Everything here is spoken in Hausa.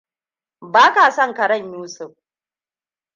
Ba ka son karen Yusuf.